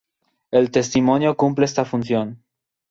El testimonio cumple esta función.